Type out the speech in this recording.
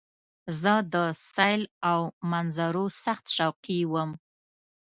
زه د سیل او منظرو سخت شوقی وم.